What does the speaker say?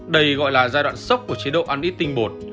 đây gọi là giai đoạn sốc của chế độ ăn ít tinh bột